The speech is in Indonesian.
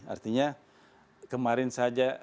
artinya kemarin saja